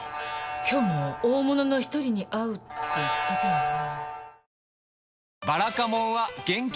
今日も大物の一人に会うって言ってたよね。